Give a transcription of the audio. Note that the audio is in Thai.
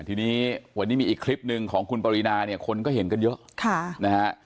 ทีนี้มีอีกคลิปหนึ่งของคุณปริณาคนก็เห็นกันเยอะ